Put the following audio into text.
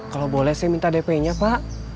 kalau boleh saya minta dp nya pak